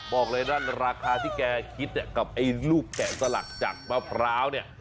บอกเลยนะราคาที่แกคิดกับไอ้ลูกแกะสลักจากมะพร้าวเนี่ย